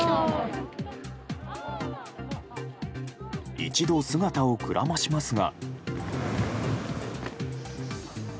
一度姿をくらましますが。